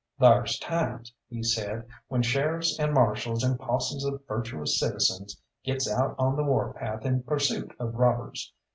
"Thar's times," he said, "when sheriffs and marshals, and posses of virtuous citizens gets out on the warpath in pursuit of robbers.